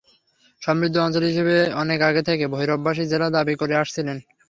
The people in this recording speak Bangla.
সমৃদ্ধ অঞ্চল হিসেবে অনেক আগে থেকে ভৈরববাসী জেলা দাবি করে আসছিলেন।